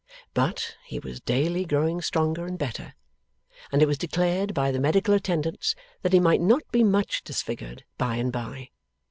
But, he was daily growing stronger and better, and it was declared by the medical attendants that he might not be much disfigured by and by.